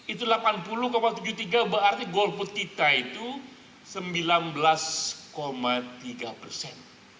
itu delapan puluh tujuh puluh tiga berarti golput kita itu sembilan belas tiga persen